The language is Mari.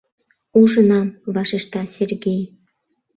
— Ужынам, — вашешта Сергей.